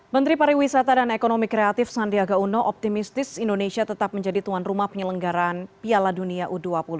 menteri pariwisata dan ekonomi kreatif sandiaga uno optimistis indonesia tetap menjadi tuan rumah penyelenggaran piala dunia u dua puluh